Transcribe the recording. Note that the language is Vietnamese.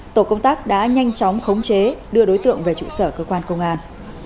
tổ công tác đã nhanh chóng khống chế đưa đối tượng về trụ sở cơ quan công an